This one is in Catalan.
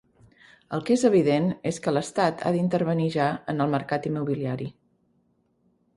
El que és evident és que l'Estat ha d'intervenir ja en el mercat immobiliari.